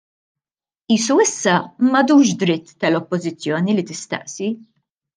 Qisu issa m'għadux dritt tal-Oppożizzjoni li tistaqsi.